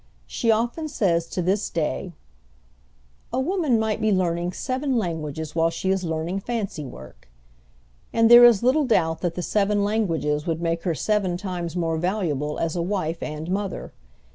She often says to this day, "A woman might be learning seven languages while she is learning fancy work," and there is little doubt that the seven languages would make her seven times more valuable as a wife and mother.